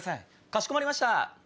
かしこまりました。